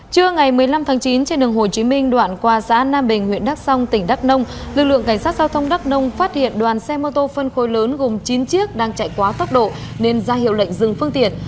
trưa ngày một mươi năm tháng chín trên đường hồ chí minh đoạn qua xã nam bình huyện đắk song tỉnh đắk nông lực lượng cảnh sát giao thông đắk nông phát hiện đoàn xe mô tô phân khối lớn gồm chín chiếc đang chạy quá tốc độ nên ra hiệu lệnh dừng phương tiện